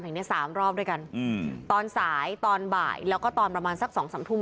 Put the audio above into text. ถึงเนี้ยสามรอบด้วยกันอืมตอนสายตอนบ่ายแล้วก็ตอนประมาณสักสองสามทุ่ม